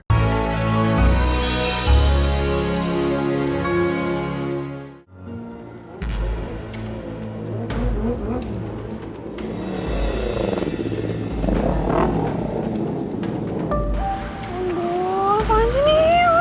aduh apaan ini